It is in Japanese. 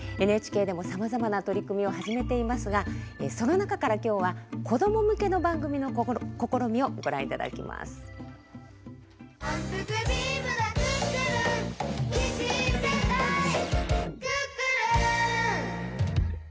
ＮＨＫでもさまざまな取り組みを始めていますがきょうはその中から子ども向け番組の試みをご覧いただきましょう。